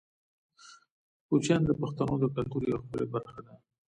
کوچیان د پښتنو د کلتور یوه ښکلې برخه ده.